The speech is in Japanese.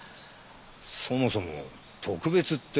そもそも特別って。